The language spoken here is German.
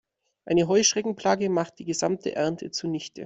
Eine Heuschreckenplage machte die gesamte Ernte zunichte.